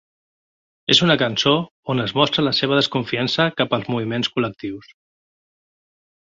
És una cançó on es mostra la seva desconfiança cap als moviments col·lectius.